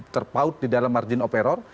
terpaut di dalam margin of error